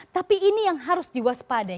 tapi ini yang harus diwaspadai